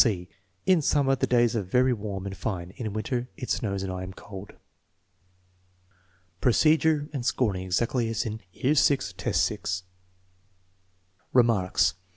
(c) "In summer the days are very warm and fine; in winter it snows and I am cold" Procedure and scoring exactly as in VI> 6. Remarks.